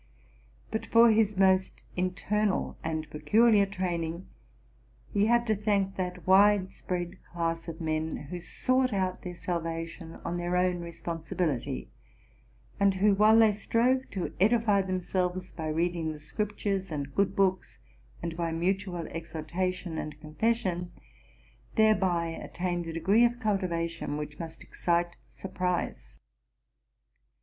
But for his most internal and peculiar training he had to thank that wide spread class of men who sought out their salvation on their own responsibility, and who, while they strove to edify 308 TRUTH AND FICTION themselves by reading the Scriptures and good books, and by mutual exhortation and confession, thereby attained degree of cultivation which must excite surprise.